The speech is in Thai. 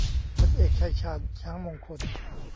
พลเอก ชัยชาญ ช้างมงคล